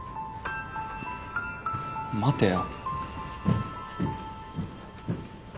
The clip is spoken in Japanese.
待てよ。